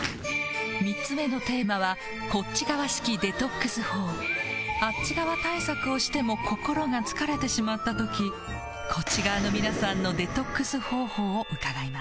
３つ目のテーマはあっち側対策をしても心が疲れてしまったときこっち側の皆さんのデトックス方法を伺います